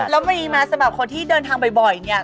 แล้วมีไหมสำหรับคนที่เดินทางบ่อยเนี่ย